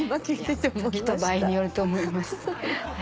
時と場合によると思います。